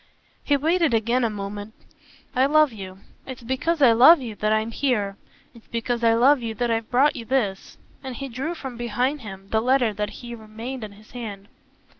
He waited again a moment. "I love you. It's because I love you that I'm here. It's because I love you that I've brought you this." And he drew from behind him the letter that had remained in his hand.